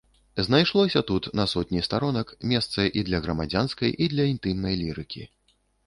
Знайшлося тут, на сотні старонак, месца і для грамадзянскай і для інтымнай лірыкі.